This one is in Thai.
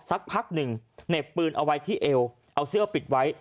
สักพักหนึ่งเหน็บปืนเอาไว้ที่เอวเอาเสื้อปิดไว้